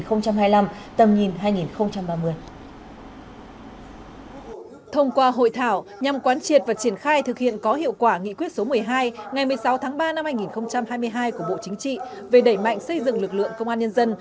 thông qua hội thảo nhằm quán triệt và triển khai thực hiện có hiệu quả nghị quyết số một mươi hai ngày một mươi sáu tháng ba năm hai nghìn hai mươi hai của bộ chính trị về đẩy mạnh xây dựng lực lượng công an nhân dân